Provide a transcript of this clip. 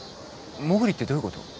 モグリってどういうこと？